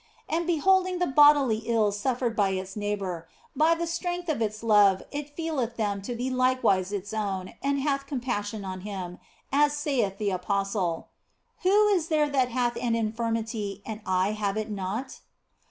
And beholding the bodily ills suffered by its neighbour, by the strength of its love it feeleth them to be likewise its own and hath compassion on him, as saith the apostle, " Who is there that hath an infirmity and I have it not